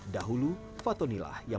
dahulu fatonilah yang